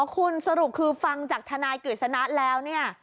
คุณสรุปคือฟังจากทนายกฤษณะแล้วเนี่ย